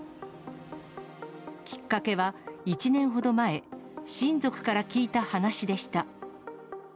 きっかけは１年ほど前、親族から聞いた話でした。